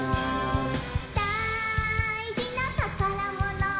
「だいじなたからもの」